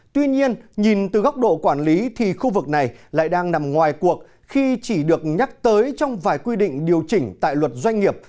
tuy nhiên nhìn từ góc độ quản lý thì khu vực này lại đang nằm ngoài cuộc khi chỉ được nhắc tới trong vài quy định điều chỉnh tại luật doanh nghiệp